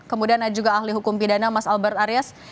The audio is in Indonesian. kemudian ada juga ahli hukum pidana mas albert aryas